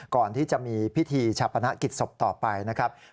ก่อนที่จะมีพิธีชาปนกิจศพต่อไปนะครับ